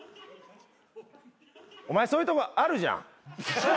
お前そういうとこあるじゃん。